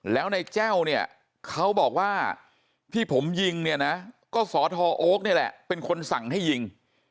แล้วในแจ้วเนี่ยเขาบอกว่าที่ผมยิงเนี่ยนะก็สทโอ๊คนี่แหละเป็นคนสั่งให้ยิง